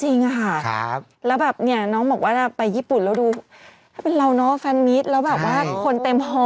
จริงอะค่ะแล้วแบบเนี่ยน้องบอกว่าไปญี่ปุ่นแล้วดูถ้าเป็นเราเนอะแฟนมิตรแล้วแบบว่าคนเต็มฮอ